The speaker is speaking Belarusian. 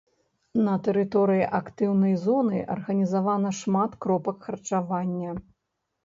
На тэрыторыі актыўнай зоны арганізавана шмат кропак харчавання.